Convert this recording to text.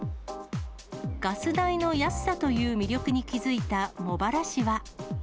ガス代の安さという魅力に気付いた茂原市は。